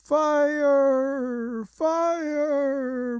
"'Fire! Fire!